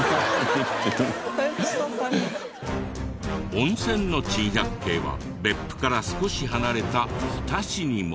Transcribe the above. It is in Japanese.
温泉の珍百景は別府から少し離れた日田市にも。